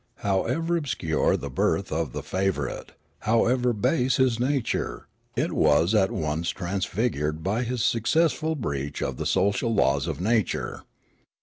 However obscure the birth of the favourite, however base his nature, it was at once transfigured by his successful breach of the social laws of nature.